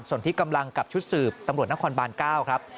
ส่วนที่กำลังกับชุดสืบตำรวจนครบาน๙ครับ